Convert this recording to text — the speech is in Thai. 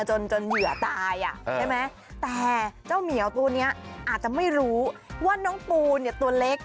จนจนเหยื่อตายอ่ะใช่ไหมแต่เจ้าเหมียวตัวนี้อาจจะไม่รู้ว่าน้องปูเนี่ยตัวเล็ก